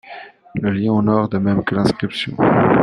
Le lion en or, de même que l'inscription.